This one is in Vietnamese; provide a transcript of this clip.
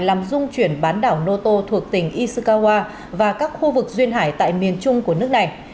làm dung chuyển bán đảo noto thuộc tỉnh ishikawa và các khu vực duyên hải tại miền trung của nước này